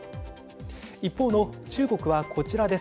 一方の中国はこちらです。